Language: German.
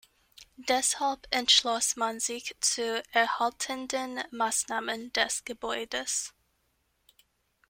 Deshalb entschloss man sich zu erhaltenden Maßnahmen des Gebäudes.